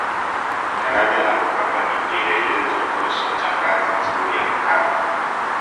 daraja la mkapa ni kielelezo tosha cha kazi nzuri ya mkapa